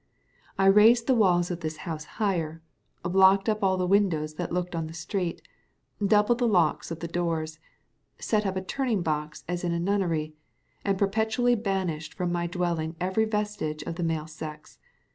I raised the walls of this house higher, blocked up all the windows that looked on the street, doubled the locks of the doors, set up a turning box as in a nunnery, and perpetually banished from my dwelling every vestige of the male sex.